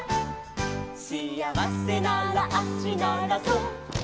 「しあわせなら足ならそう」